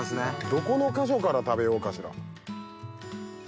どこの箇所から食べようかしら。